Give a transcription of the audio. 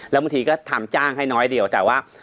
แล้วบางทีก็ทำจ้างให้น้อยเดียวแต่ว่า